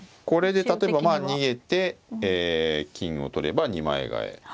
これで例えばまあ逃げて金を取れば二枚替え。